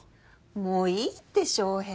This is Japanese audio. もういいって翔平。